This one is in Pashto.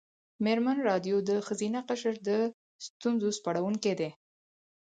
مېرمن راډیو د ښځینه قشر د ستونزو سپړونکې ده.